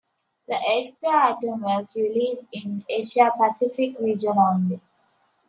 The Xda Atom was released in Asia-Pacific region only.